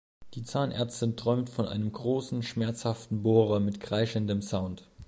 Die Zahnärztin träumt von einem großen, schmerzhaften Bohrer mit kreischendem Sound.